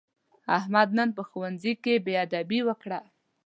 احمد نن په ښوونځي کې بېادبي وکړه.